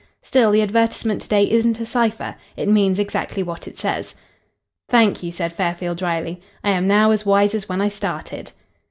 Still, the advertisement to day isn't a cipher. It means exactly what it says." "Thank you," said Fairfield drily. "I am now as wise as when I started."